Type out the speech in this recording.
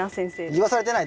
言わされてない？